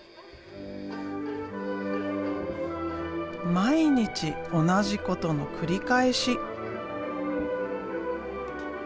毎日同じことの繰り返し。